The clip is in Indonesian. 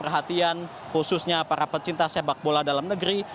perhatian khususnya para pecinta sepak bola dalam negeri